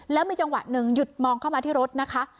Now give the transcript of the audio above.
แล้วมีจังหวะหนึ่งหยุดมองเข้ามาที่รถนะคะ